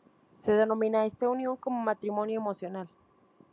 Se denomina a esta unión como "matrimonio emocional".